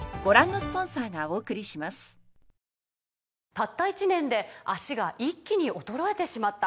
「たった１年で脚が一気に衰えてしまった」